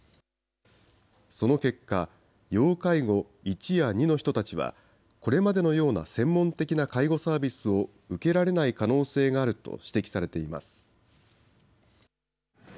その結果、要介護１や２の人たちは、これまでのような専門的な介護サービスを受けられない可能性があると指摘されています。